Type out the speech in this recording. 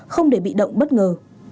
không để bị động bất ngờ